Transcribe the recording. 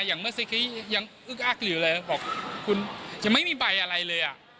อย่างเมื่อสักทียังอึ๊กอักอยู่เลยบอกคุณจะไม่มีใบอะไรเลย